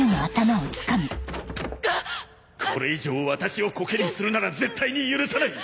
これ以上私をコケにするなら絶対に許さない！